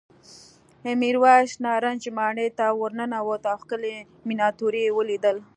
میرويس نارنج ماڼۍ ته ورننوت او ښکلې مېناتوري یې ولیدل.